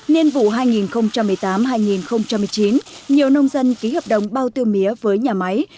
nên vụ hai nghìn một mươi tám hai nghìn một mươi chín nhiều nông dân ký hợp đồng bao tiêu mía với nhà máy